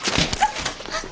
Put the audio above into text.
あっ。